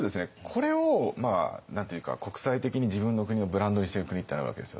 これを何て言うか国際的に自分の国をブランドにしてる国ってあるわけですよ。